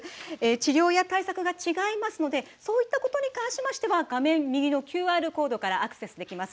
治療や対策が違いますのでそういったことに関しましては画面右のＱＲコードからアクセスできます